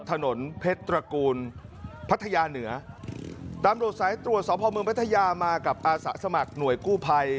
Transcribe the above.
ถนนเพชรตระกูลพัทยาเหนือตำรวจสายตรวจสอบพ่อเมืองพัทยามากับอาสาสมัครหน่วยกู้ภัย